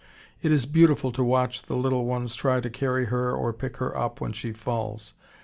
It is beautiful to watch the little ones try to carry her or pick her up when she falls.